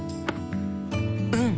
うん！